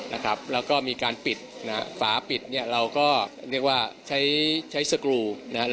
แล้วก็มีการปิดฝาปิดเราก็ใช้สกรู